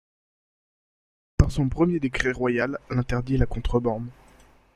Par son premier décret royal, elle interdit la contrebande.